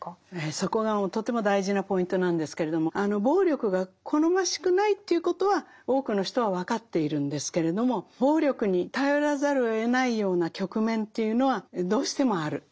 そこがとても大事なポイントなんですけれども暴力が好ましくないということは多くの人は分かっているんですけれども暴力に頼らざるをえないような局面というのはどうしてもある。